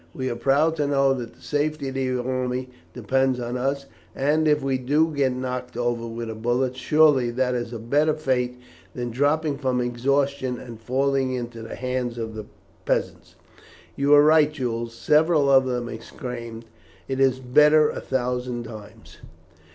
We are proud to know that the safety of the army depends on us; and, if we do get knocked over with a bullet, surely that is a better fate than dropping from exhaustion, and falling into the hands of the peasants." "You are right, Jules," several of them exclaimed. "It is better a thousand times."